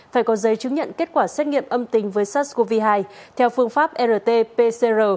phải có giấy chứng nhận kết quả xét nghiệm âm tính với sars cov hai theo phương pháp rt pcr